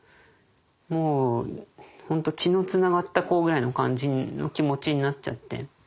もう本当血のつながった子ぐらいの感じの気持ちになっちゃって。